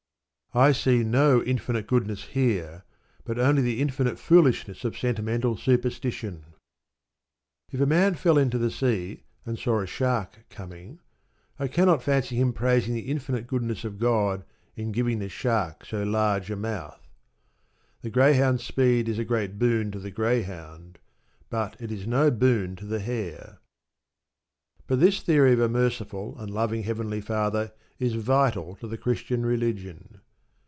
I see no infinite goodness here, but only the infinite foolishness of sentimental superstition. If a man fell into the sea, and saw a shark coming, I cannot fancy him praising the infinite goodness of God in giving the shark so large a mouth. The greyhound's speed is a great boon to the greyhound; but it is no boon to the hare. But this theory of a merciful, and loving Heavenly Father is vital to the Christian religion.